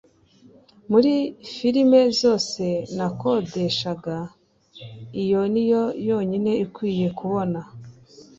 muri firime zose nakodeshaga, iyi niyo yonyine ikwiye kubona